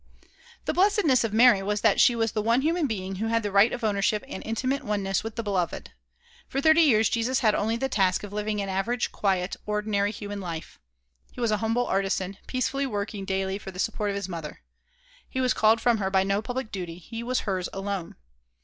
The blessedness of Mary was that she was the one human being who had the right of ownership and intimate oneness with the Beloved. For thirty years Jesus had only the task of living an average, quiet, ordinary human life. He was a humble artisan, peacefully working daily for the support of his mother. He was called from her by no public duty; he was hers alone.